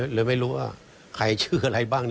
เลยไม่รู้ว่าใครชื่ออะไรบ้าง